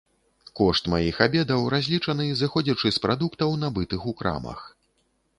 Кошт маіх абедаў разлічаны, зыходзячы з прадуктаў, набытых у крамах.